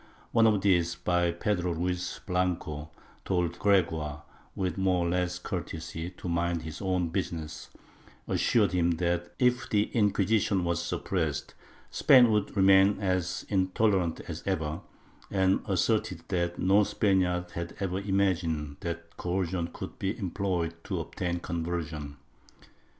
One of these, by Pedro Luis Blanco, told Gregoire, with more or less courtesy, to mind his own business ; assured him that, if the Inquisition was suppressed, Spain would remain as intol erant as ever, and asserted that no Spaniard had ever imagined that coercion could be employed to obtain conversion.